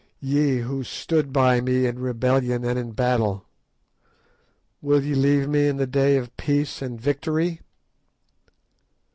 Ye who stood by me in rebellion and in battle, will ye leave me in the day of peace and victory?